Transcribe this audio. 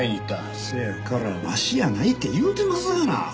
せやからわしやないって言うてますがな。